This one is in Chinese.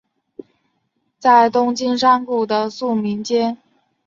在东京山谷的宿民街。